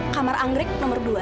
kamar anggrik nomor dua